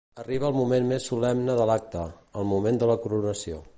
Arriba el moment més solemne de l'Acte, el moment de la Coronació.